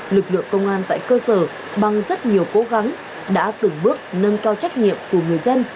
lực lượng công an tại cơ sở bằng rất nhiều cố gắng đã từng bước nâng cao trách nhiệm của người dân